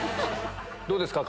どうですか？